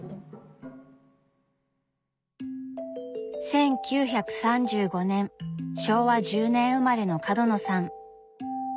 １９３５年昭和１０年生まれの角野さん。